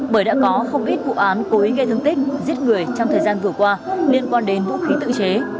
bởi đã có không ít vụ án cố ý gây thương tích giết người trong thời gian vừa qua liên quan đến vũ khí tự chế